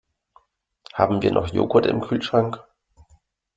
Haben wir noch Joghurt im Kühlschrank?